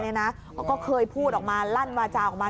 เขาก็เคยพูดออกมาลั่นวาจาออกมา